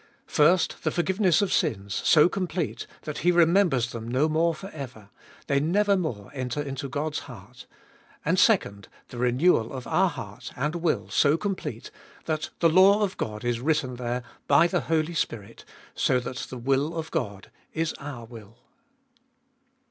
First, the forgiveness of sins so complete, that lie remembers them no more for ever ; they never more enter into God's heart. And, second, the renewal of our heart and will so complete, that the law of God is written there by the Holy Spirit, so that the will of God is our will.